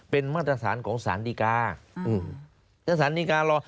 เป็นมาตรฐานของสารดีการ์